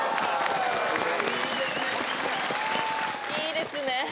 いいですね。